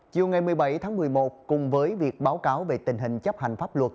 chiều ngày một mươi bảy tháng một mươi một cùng với việc báo cáo về tình hình chấp hành pháp luật